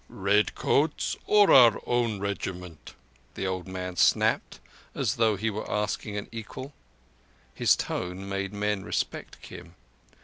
"Redcoats or our own regiments?" the old man snapped, as though he were asking an equal. His tone made men respect Kim.